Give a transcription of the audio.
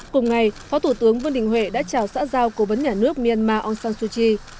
cùng ngày phó thủ tướng vương đình huệ đã chào xã giao cố vấn nhà nước myanmar aung san suu kyi